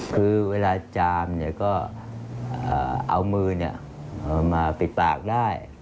คือเวลาจามเนี่ยก็เอามือเนี่ยมาปิดปากได้